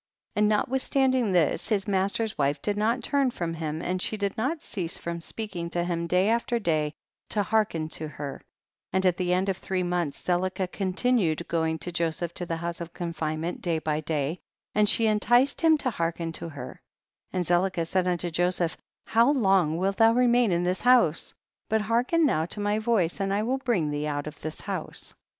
77. And notwithstanding this, his master's wife did not turn from him, and she did not cease from speaking to him day after day to hearken to her, and at the end of three months Zelicah continued going to Joseph to the house of confinement day by day, and she enticed him to hearken to her, and Zelicah said unto Joseph, how long wilt thou remain in this house? but hearken now to my voice and I will bring thee out of this house.